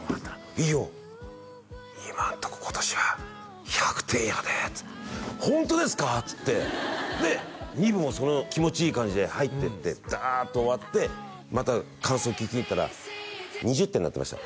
「飯尾今んとこ今年は１００点やで」って「ホントですか！」っつってで２部もその気持ちいい感じで入ってってダーッと終わってまた感想聞きに行ったら２０点になってました